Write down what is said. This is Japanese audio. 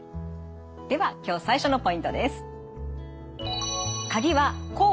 では今日最初のポイントです。